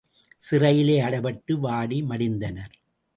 சிறையிலே அடைபட்டு, வாடி மடிந்தனர்.